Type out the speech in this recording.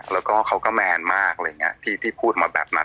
แล้วก็เขาก็แมนมากที่พูดมาแบบนั้น